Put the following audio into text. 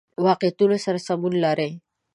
واقعیتونو سره سمون لري.